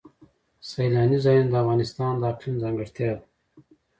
سیلانی ځایونه د افغانستان د اقلیم ځانګړتیا ده.